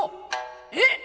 「えっ！？